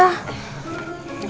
udah lanjutin lagi ya